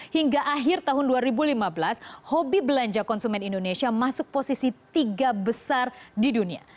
hingga akhir tahun dua ribu lima belas hobi belanja konsumen indonesia masuk posisi tiga besar di dunia